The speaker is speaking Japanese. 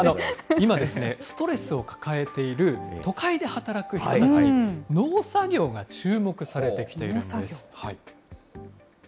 今ですね、ストレスを抱えている都会で働く人たちに、農作業が注目されてきているんです。